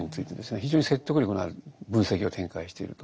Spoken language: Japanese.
非常に説得力のある分析を展開していると。